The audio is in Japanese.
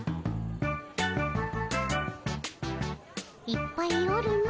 いっぱいおるの。